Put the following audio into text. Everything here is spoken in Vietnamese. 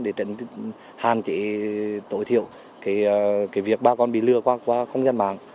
để trận hàn chỉ tối thiểu việc bà con bị lừa qua không gian mạng